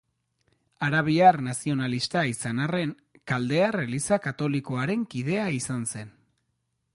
Arabiar nazionalista izan arren, Kaldear Eliza Katolikoaren kidea izan zen.